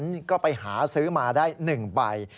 จากฝันก็ไปหาซื้อมาได้๑ใบ